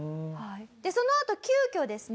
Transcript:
そのあと急きょですね